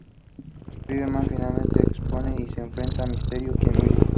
Spider-Man finalmente expone y se enfrenta a Mysterio, quien huye.